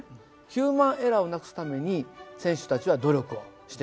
ヒューマンエラーをなくすために選手たちは努力をしてる訳なんです。